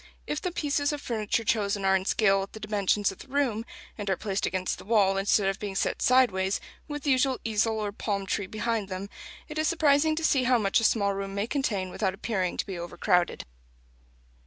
If the pieces of furniture chosen are in scale with the dimensions of the room, and are placed against the wall, instead of being set sideways, with the usual easel or palm tree behind them, it is surprising to see how much a small room may contain without appearing to be overcrowded.